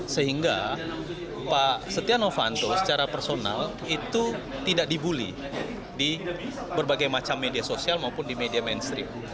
sehingga pak setia novanto secara personal itu tidak dibully di berbagai macam media sosial maupun di media mainstream